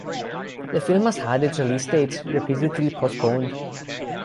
The film has had its release date repeatedly postponed.